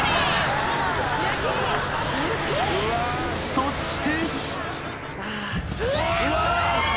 ［そして］